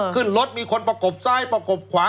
ขึ้นรถมีคนประกบซ้ายประกบขวา